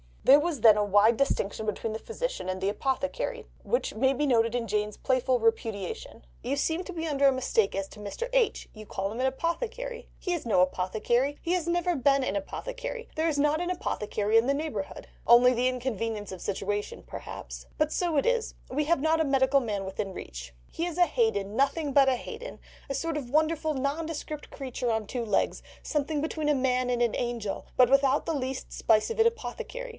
There was then a wide distinction between the Physician and the Apothecary, which may be noticed in Jane's playful repudiation: "You seem to be under a mistake as to Mr. H. you call him an apothecary. He is no apothecary, he has never been an apothecary; there is not an apothecary in the neighbourhood—the only inconvenience of the situation perhaps—but so it is, we have not a medical man within reach. He is a Haden, nothing but a Haden, a sort of wonderful nondescript creature on two legs, something between a man and an angel, but without the least spice of an apothecary.